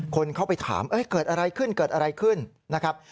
คนเข้าไปถามเกิดอะไรขึ้นเกิดอะไรขึ้นนะครับ